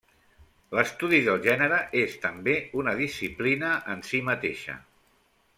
L'estudi del gènere és també una disciplina en si mateixa.